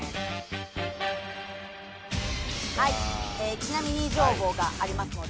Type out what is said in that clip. ちなみに情報がありますので。